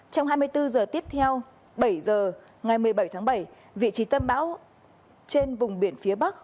trong hai mươi bốn h tiếp theo bảy h ngày một mươi bảy tháng bảy vị trí tâm áp thấp nhiệt đới ở trên vùng biển phía đông